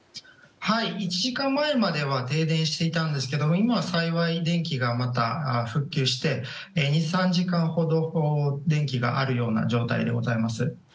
１時間前までは停電していたんですが今は幸い電気がまた復旧して２３時間ほど電気があるような状態でございます。